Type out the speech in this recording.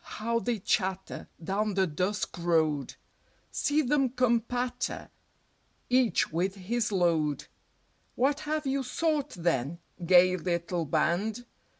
how they chatter Down the dusk Road, See them come patter, Each with his Load. What have you sought, then, Gay little Band?